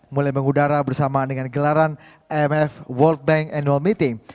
mulai mengudara bersama dengan gelaran imf world bank annual meeting